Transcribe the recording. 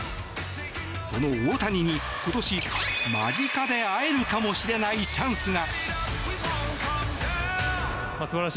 その大谷に今年間近で会えるかもしれないチャンスが。